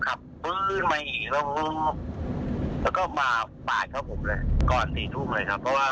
กว่าจะเรียกภูมิภัยมาอะไรมันมาก็สี่ทุ่มกว่าเลยฮะ